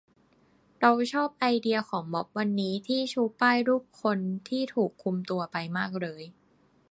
เราชอบไอเดียของม็อบวันนี้ที่ชูป้ายรูปคนที่ถูกคุมตัวไปมากเลย